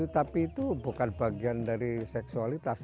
tapi itu bukan bagian dari seksualitas